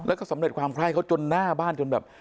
แล้วก็สำเร็จความไคร้เขาจนหน้าบ้านจนแบบ